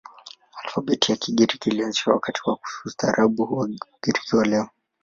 Alfabeti ya Kigiriki ilianzishwa wakati wa ustaarabu wa Ugiriki wa leo.